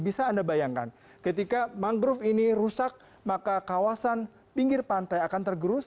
bisa anda bayangkan ketika mangrove ini rusak maka kawasan pinggir pantai akan tergerus